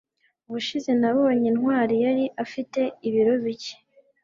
ubushize nabonye ntwali yari afite ibiro bike